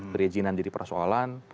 diri jinan jadi persoalan